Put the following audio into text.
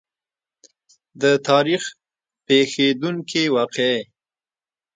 د تاریخ پېښېدونکې واقعې.